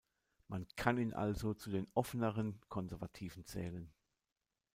Man kann ihn also zu den offeneren Konservativen zählen.